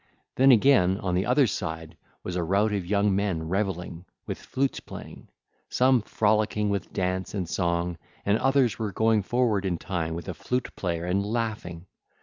Then again on the other side was a rout of young men revelling, with flutes playing; some frolicking with dance and song, and others were going forward in time with a flute player and laughing.